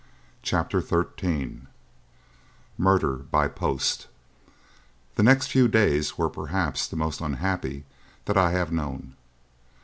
CHAPTER XIII MURDER BY POST The next few days were perhaps the most unhappy that I have known.